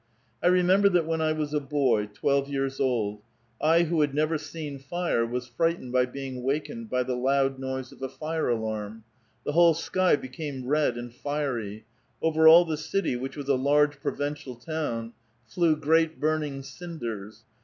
857 I remember that when I was a boy, twelve years old, I who had never seen fire was frightened by being wakened by the loud noise of a fire alarm. The whole sky became red and fiery ; over all the city, which was a large provincial town, flew great burning cinders.